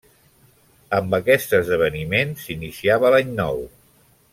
Amb aquest esdeveniment s'iniciava l'any nou.